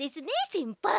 せんぱい。